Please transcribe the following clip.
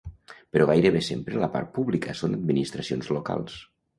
però gairebé sempre la part pública són administracions locals